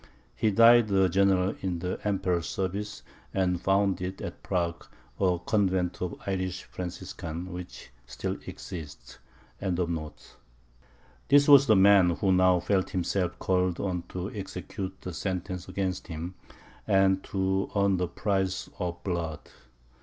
He died a general in the Emperor's service, and founded, at Prague, a convent of Irish Franciscans which still exists. Ed.] This was the man who now felt himself called on to execute the sentence against him, and to earn the price of blood.